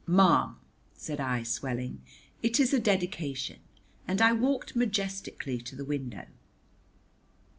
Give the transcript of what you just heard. "Ma'am," said I, swelling, "it is a Dedication," and I walked majestically to the window.